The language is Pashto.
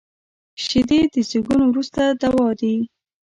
شیدې د زیږون وروسته دوا دي